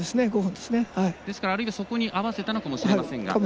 ですから、あるいはそれに合わせたのかもしれません。